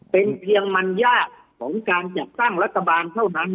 เป็นเพียงมันยากของการจัดตั้งรัฐบาลเท่านั้น